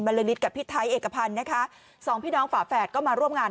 ละลิสกับพี่ไทยเอกพันธ์นะคะสองพี่น้องฝาแฝดก็มาร่วมงาน